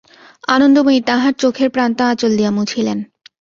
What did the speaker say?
আনন্দময়ী তাঁহার চোখের প্রান্ত আঁচল দিয়া মুছিলেন।